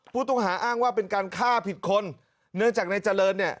ผู้ต้องหาอ้างว่าเป็นการฆ่าผิดคนเนื่องจากในเจริญเนี่ย